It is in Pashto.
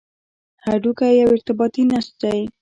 هډوکی یو ارتباطي نسج دی.